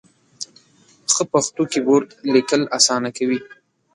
ښه پښتو کېبورډ ، لیکل اسانه کوي.